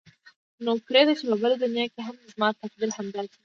نو پرېږده چې په بله دنیا کې هم زما تقدیر همداسې وي.